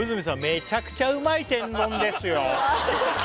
「めちゃくちゃうまい天丼ですよ」